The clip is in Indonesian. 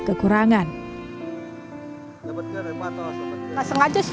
tak bisa lebih gini